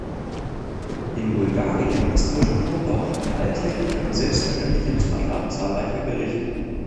In Bulgarien ist frischer Knoblauch eine alltägliche und selbstverständliche Zutat zahlreicher Gerichte.